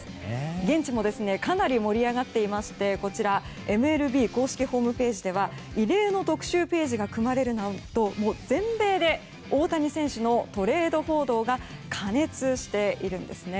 現地もかなり盛り上がっていましてＭＬＢ公式ホームページでは異例の特集ページが組まれるなど全米で大谷選手のトレード報道が過熱しているんですね。